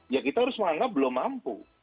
ya kita harus menganggap belum mampu